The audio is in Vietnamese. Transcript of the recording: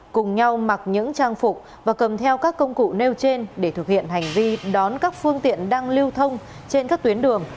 cùng nhau mặc những trang phục và cầm theo các công cụ nêu trên để thực hiện hành vi đón các phương tiện đang lưu thông trên các tuyến đường